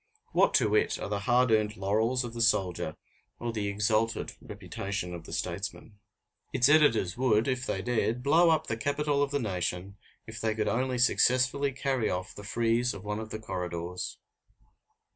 What to it are the hard earned laurels of the soldier or the exalted reputation of the statesman? Its editors would, if they dared, blow up the Capitol of the nation if they could only successfully carry off the frieze of one of the corridors.